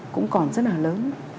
cũng còn rất là lớn